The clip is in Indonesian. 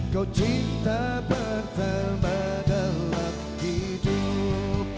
kau cinta pertama dalam hidup